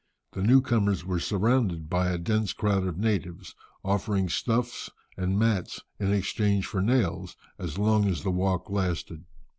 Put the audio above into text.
The new comers were surrounded by a dense crowd of natives, offering stuffs and mats in exchange for nails as long as the walk lasted.